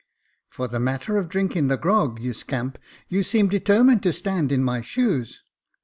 " For the matter of drinking the grog, you scamp, you seem determined to stand in my shoes."